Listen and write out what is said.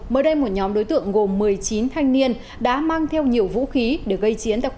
mới đây một nhóm đối tượng gồm một mươi chín thanh niên đã mang theo nhiều vũ khí để gây chiến độc